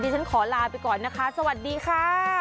ฉันขอลาไปก่อนนะคะสวัสดีค่ะ